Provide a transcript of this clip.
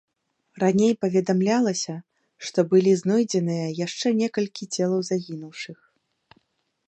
Раней паведамлялася, што былі знойдзеныя яшчэ некалькі целаў загінуўшых.